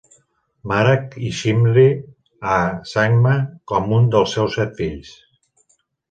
Marak i Chimri A. Sangma com un dels seus set fills.